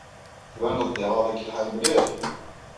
Tbaneḍ-d iɣaḍ-ik lḥal mliḥ.